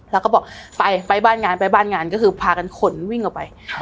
แล้วก็บอกไปไปบ้านงานไปบ้านงานก็คือพากันขนวิ่งออกไป